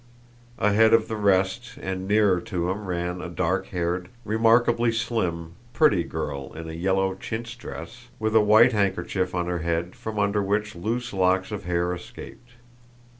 Ahead of the rest and nearer to him ran a dark haired, remarkably slim, pretty girl in a yellow chintz dress, with a white handkerchief on her head from under which loose locks of hair escaped.